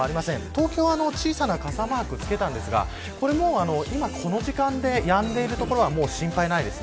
東京は小さな傘マーク付けたんですが今この時間でやんでいる所は心配ないです。